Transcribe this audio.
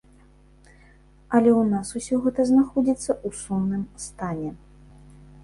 Але ў нас усё гэта знаходзіцца ў сумным стане.